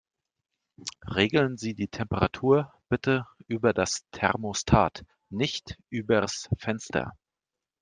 Regeln Sie die Temperatur bitte über das Thermostat, nicht übers Fenster.